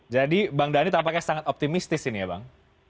jadi bang dhani tampaknya sangat optimistis ini ya bang